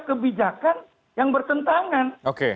kebijakan yang bertentangan